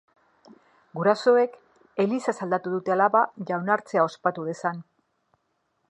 Gurasoek elizaz aldatu dute alaba jaunartzea ospatu dezan.